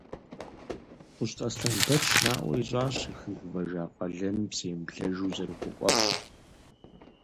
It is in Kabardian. Хъущт Аслъэнбэч наӏуэ ищӏащ зыхуигъэувыжа къалэным псэемыблэжу зэрыхуэкӏуэфыр.